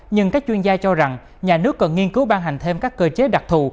nhưng các chuyên gia cho rằng nhà nước cần nghiên cứu ban hành thêm các cơ chế đặc thù